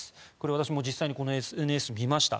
私も実際にこのＳＮＳを見ました。